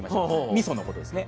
みそのことですね。